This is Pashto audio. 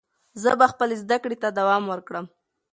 زه به خپلې زده کړې ته دوام ورکړم.